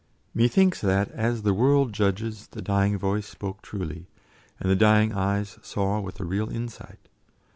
Methinks that, as the world judges, the dying voice spake truly, and the dying eyes saw with a real insight.